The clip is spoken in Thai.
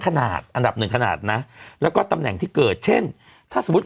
ขนาดอันดับหนึ่งขนาดนะแล้วก็ตำแหน่งที่เกิดเช่นถ้าสมมุติ